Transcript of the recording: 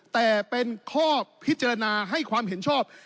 แต่เป็นข้อพิจารณาให้ความเห็นชอบ